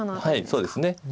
はいそうですね。